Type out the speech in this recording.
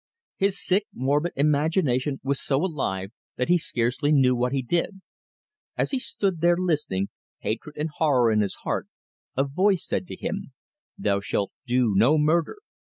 His sick, morbid imagination was so alive, that he scarcely knew what he did. As he stood there listening, hatred and horror in his heart, a voice said to him: "Thou shalt do no murder."